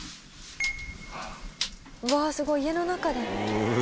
「うわあすごい家の中で」